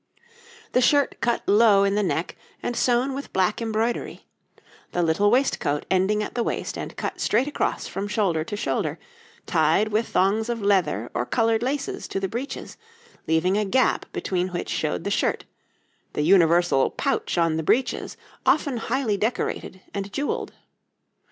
The shirt cut low in the neck, and sewn with black embroidery; the little waistcoat ending at the waist and cut straight across from shoulder to shoulder, tied with thongs of leather or coloured laces to the breeches, leaving a gap between which showed the shirt; the universal pouch on the breeches often highly decorated and jewelled.